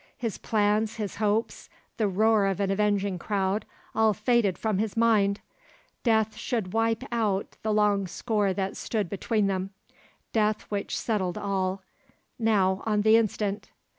His plans, his hopes, the roar of an avenging crowd, all faded from his mind. Death should wipe out the long score that stood between them, death which settled all, now on the instant.